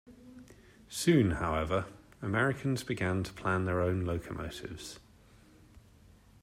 Soon, however, Americans began to plan their own locomotives.